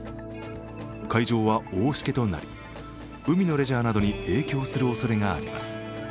海上は大しけとなり、海のレジャーなどに影響するおそれがあります。